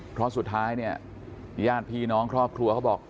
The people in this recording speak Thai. เพราะสุดท้ายเนี่ยญาติพี่น้องครอบครัวเขาบอก